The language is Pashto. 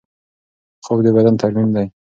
خوب د بدن ترمیم دی.